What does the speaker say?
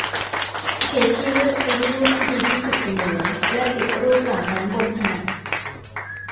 เคธี่เลือกปริ้นท์รูปที่ดีที่สุดเสมอและติดรูปเหล่านั้นบนผนัง